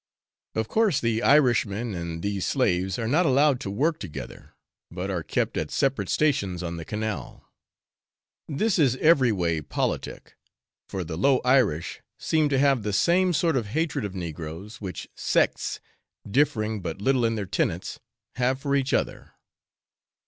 Of course the Irishmen and these slaves are not allowed to work together, but are kept at separate stations on the canal. This is every way politic, for the low Irish seem to have the same sort of hatred of negroes which sects, differing but little in their tenets, have for each other.